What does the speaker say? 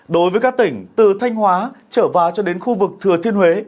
đối với các tỉnh từ thanh hóa trở vào cho đến khu vực thừa thiên huế